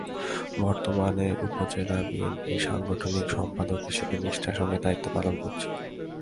বর্তমানে উপজেলা বিএনপির সাংগঠনিক সম্পাদক হিসেবে নিষ্ঠার সঙ্গে দায়িত্ব পালন করছি।